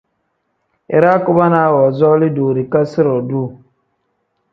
Iraa kubonaa woozooli doorikasi-ro duuu.